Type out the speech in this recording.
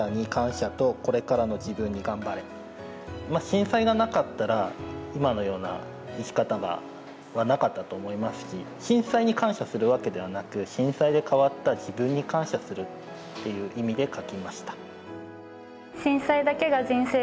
震災がなかったら今のような生き方はなかったと思いますし震災に感謝するわけではなく震災で変わった自分に感謝するっていう意味で書きました。